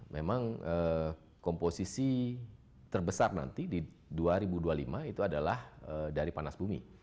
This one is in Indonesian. memang komposisi terbesar nanti di dua ribu dua puluh lima itu adalah dari panas bumi